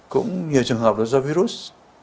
cũng nhiều trường hợp là do virus